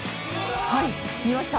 見ました？